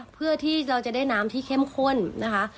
เพื่อที่เราจะได้น้ำที่เข้มข้นนะคะ